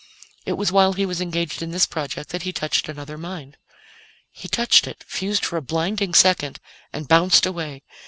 It was while he was engaged in this project that he touched another mind. He touched it, fused for a blinding second, and bounced away.